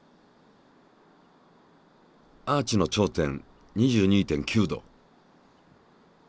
アーチの頂点２２．９℃。